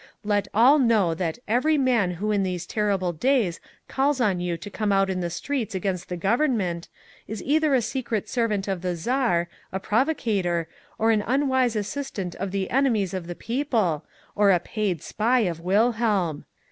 "Let all know that EVERY MAN WHO IN THESE TERRIBLE DAYS CALLS ON YOU TO COME OUT IN THE STREETS AGAINST THE GOVERNMENT, IS EITHER A SECRET SERVANT OF THE TSAR, A PROVOCATOR, OR AN UNWISE ASSISTANT OF THE ENEMIES OF THE PEOPLE, OR A PAID SPY OF WILHELM!